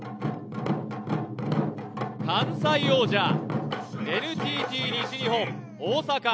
関西王者、ＮＴＴ西日本・大阪。